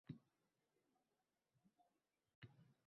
Farzand voyaga yetib borar ekan, ona unga atab bisot sandig’ini ochadi.